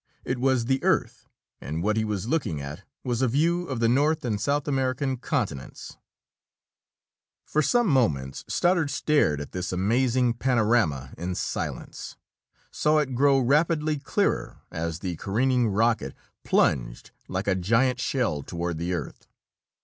It was the Earth and what he was looking at was a view of the North and South American continents! For some moments Stoddard stared at this amazing panorama in silence; saw it grow rapidly clearer, as the careening rocket plunged like a giant shell toward the earth.